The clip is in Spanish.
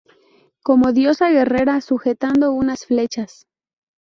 Como diosa guerrera, sujetando unas flechas.